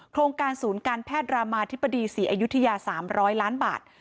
โครงการศูนย์การแพทย์รามาธิบดีศรีอยุธยา๓๐๐ล้านบาท